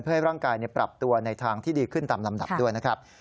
เพื่อให้ร่างกายปรับตัวในทางที่ดีขึ้นตามลำดับด้วยนะครับ